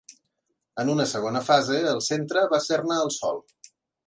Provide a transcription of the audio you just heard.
En una segona fase, el centre va ser-ne el Sol.